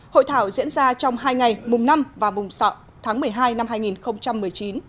hội thảo diễn ra trong hai ngày mùng năm và mùng sáu tháng một mươi hai năm hai nghìn một mươi chín